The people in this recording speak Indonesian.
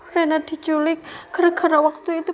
rena dijulik gara gara waktu itu